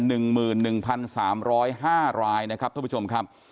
หนึ่งหมื่นหนึ่งพันสามร้อยห้ารายนะครับท่านผู้ชมครับ